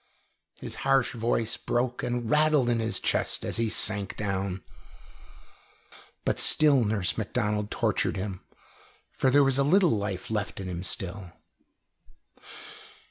His harsh voice broke and rattled in his chest as he sank down. But still Nurse Macdonald tortured him, for there was a little life left in him still.